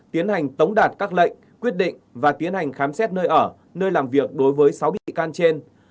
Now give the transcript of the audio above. tiến hành tống đạt các lệnh quyết định và tiến hành khám xét nơi ở nơi làm việc đối với sáu bị can trên